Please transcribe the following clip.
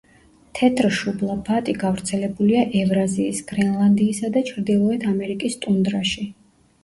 თეთრშუბლა ბატი გავრცელებულია ევრაზიის, გრენლანდიისა და ჩრდილოეთ ამერიკის ტუნდრაში.